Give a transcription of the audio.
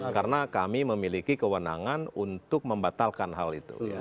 karena kami memiliki kewenangan untuk membatalkan hal itu